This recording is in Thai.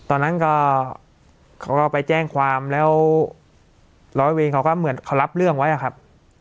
ตอนนั้นก็เขาก็ไปแจ้งความแล้วร้อยเวรเขาก็เหมือนเขารับเรื่องไว้อะครับ